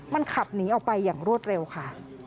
มันขับหนีออกไปอย่างรวดเร็วค่ะ